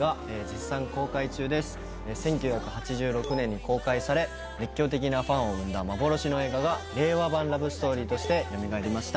１９８６年に公開され熱狂的なファンを生んだ幻の映画が令和版ラブストーリーとしてよみがえりました。